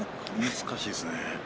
難しいですね。